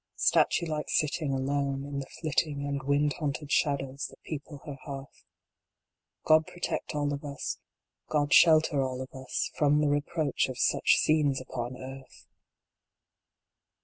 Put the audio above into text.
Statue like sitting Alone, in the flitting And wind haunted shadows that people her hearth. God protect all of us God shelter all of us From the reproach of such scenes upon earth